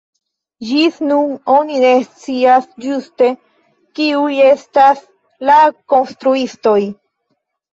Ĝis nun oni ne scias ĝuste kiuj estas la konstruistoj.